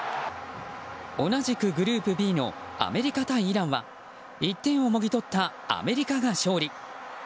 同じくグループＢのアメリカ対イランは１点をもぎ取ったアメリカが勝利。